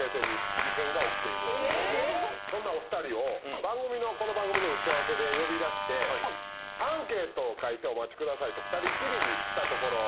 そんなお二人をこの番組の打ち合わせで呼び出してアンケートを書いてお待ちくださいと２人っきりにしたところ。